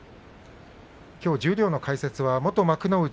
きょう十両の解説は元幕内